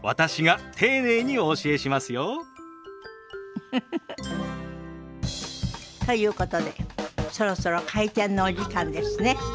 ウフフフ。ということでそろそろ開店のお時間ですね。